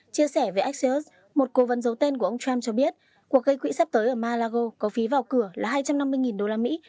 chia sẻ về axius một cố vấn dấu tên của ông trump cho biết cuộc gây quỹ sắp tới ở malago có phí vào cửa là hai trăm năm mươi đô la mỹ